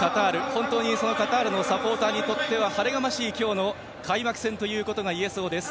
本当にそのカタールのサポーターにとっては晴れがましい今日の開幕戦ということがいえそうです。